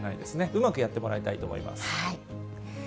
うまくやってもらいたいと思います。